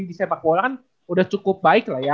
di sepak bola kan udah cukup baik lah ya